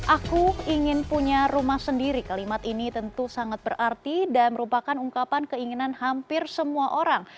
aku ingin punya rumah sendiri kalimat ini tentu sangat berarti dan merupakan ungkapan keinginan hampir semua orang